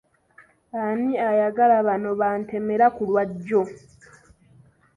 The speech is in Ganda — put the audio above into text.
Ani ayagala bano ba ntemera ku lwajjo?